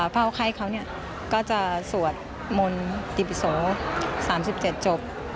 พาวไข้เขาเนี่ยก็จะสวดมนติพศโฌ๓๗โจทย์